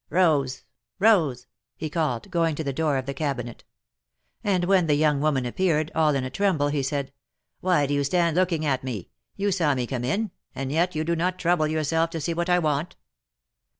Rose ! Rose !" he called, going to the door of the cabinet. And when the young woman appeared, all in a tremble, he said : '^Why do you stand looking at me? You saw me' come in, and yet you do not trouble yourself to see what I want."